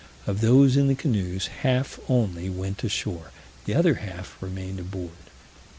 Of those in the canoes, half only went ashore, the other half remained aboard.